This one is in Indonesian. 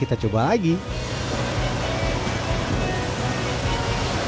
kita buat garis mata dengan berhenti kulit